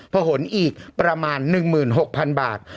ผลอีกประมาณ๑๖๐๐๐บาท